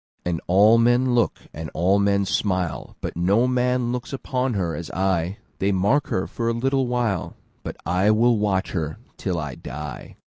And all men look, and all men smile, But no man looks on her as I:They mark her for a little while, But I will watch her till I die.